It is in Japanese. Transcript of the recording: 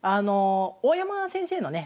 大山先生のね